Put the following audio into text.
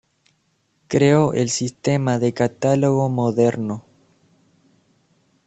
Creó el sistema de catálogo moderno.